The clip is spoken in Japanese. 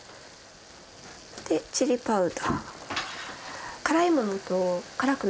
でチリパウダー。